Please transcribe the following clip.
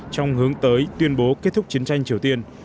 trong hướng tới tuyên bố kết thúc chiến tranh triều tiên